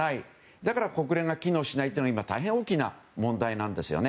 だから国連が機能しないというのは今、大変大きな問題なんですね。